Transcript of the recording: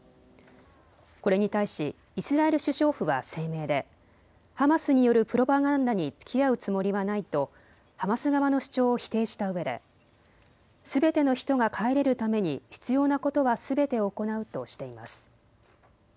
これに対しイスラエル首相府は声明でハマスによるプロパガンダにつきあうつもりはないとハマス側の主張を否定したうえですべての人が帰れるために必要なことはすべて行うとしています。